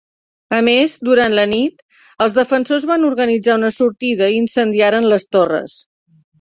A més, durant la nit, els defensors van organitzar una sortida i incendiaren les torres.